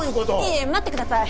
いいえ待ってください。